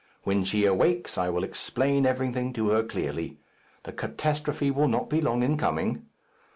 When she awakes I will explain everything to her clearly. The catastrophe will not be long in coming.